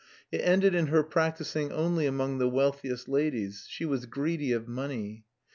It ended in her practising only among the wealthiest ladies; she was greedy of money.